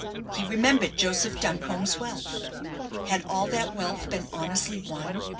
He remembered Joseph Duncombe's wealth. Had all that wealth been honestly won?